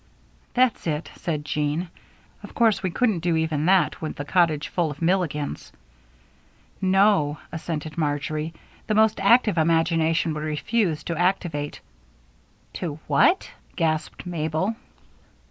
"That's it," said Jean. "Of course we couldn't do even that with the cottage full of Milligans." "No," assented Marjory, "the most active imagination would refuse to activate " "To what?" gasped Mabel.